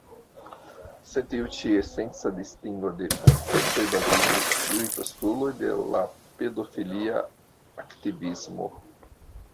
Sur tiu ĉi esenca distingo de konceptoj baziĝas ĉiuj postuloj de la pedofilia aktivismo.